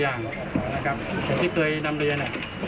อย่างที่เคยนำเรียน